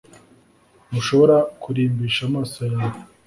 Ntushobora kurimbisha amaso yawe